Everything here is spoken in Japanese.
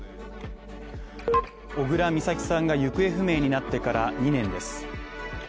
小倉美咲さんが行方不明になってから２年です